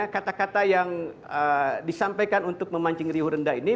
kata kata yang disampaikan untuk memancing riuh rendah ini